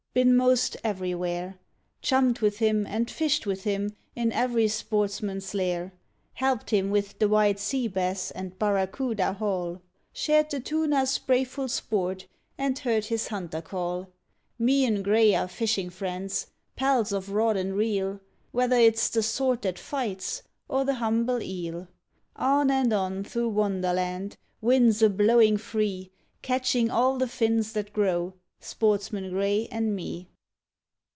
been most everywhere; Chummed with him and fished with him in every Sportsman's lair. Helped him with the white Sea bass and Barracuda haul, Shared the Tuna's sprayful sport and heard his Hunter call, Me an' Grey are fishin' friends.... Pals of rod and reel, Whether it's the sort that fights ... or th' humble eel, On and on, through Wonderland ... winds a blowin' free, Catching all th' fins that grow ... Sportsman Grey an' Me.